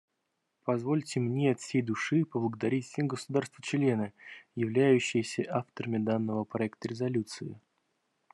Позвольте мне от всей души поблагодарить все государства-члены, являющиеся авторами данного проекта резолюции.